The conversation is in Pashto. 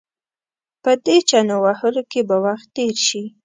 په دې چنو وهلو کې به وخت تېر شي.